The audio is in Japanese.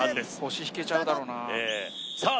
腰引けちゃうだろうなさあ